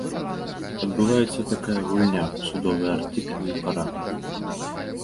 Адбываецца такая гульня ў судовыя артыкулы і параграфы.